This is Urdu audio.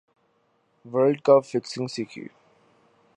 ورلڈکپ فکسنگ سکی